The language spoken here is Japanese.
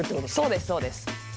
そうですそうです。